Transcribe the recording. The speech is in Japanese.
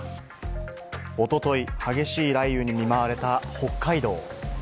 おととい激しい雷雨に見舞われた北海道。